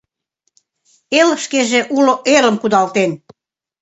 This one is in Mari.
Эл шкеже уло Элым кудалтен!